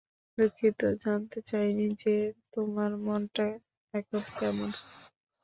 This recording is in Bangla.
দুঃখিত, জানতে চাই নি যে, তোমার মনটা এখন কেমন?